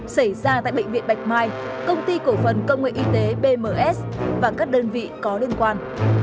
xảy ra tại bệnh viện bạch mai công ty cổ phần công nghệ y tế bms và các đơn vị có liên quan